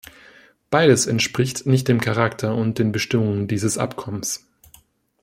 Beides entspricht nicht dem Charakter und den Bestimmungen dieses Abkommens.